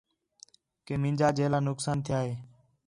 کہ مینجا جیلا نقصان تِھیا ہے